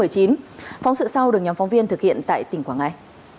phóng sự sau được nhóm phóng viên thực hiện tại tỉnh quảng ngãi